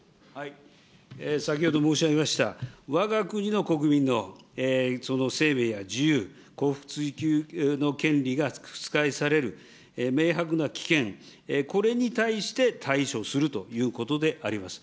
先ほど申し上げました、わが国の国民の生命や自由、幸福追求の権利が覆される明白な危険、これに対して対処するということであります。